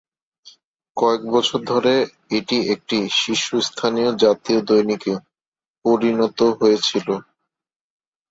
কয়েক বছর ধরে এটি একটি শীর্ষস্থানীয় জাতীয় দৈনিকে পরিণত হয়েছিল।